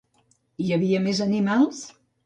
Hi havia més animals?